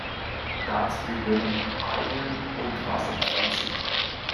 Dazu gehören Algen und Wasserpflanzen.